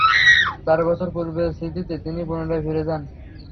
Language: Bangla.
চার বছর পূর্বের স্মৃতিতে তিনি পুনরায় ফিরে যান।